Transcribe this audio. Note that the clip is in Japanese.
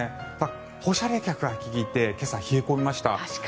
放射冷却が利いて今朝、冷え込みました。